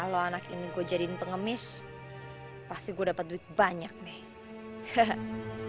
kalau anak ini gue jadiin pengemis pasti gue dapat duit banyak nih